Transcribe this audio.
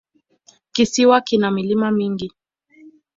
Kisiwa kina milima mingi.